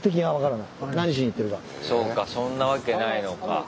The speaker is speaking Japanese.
そうかそんなわけないのか。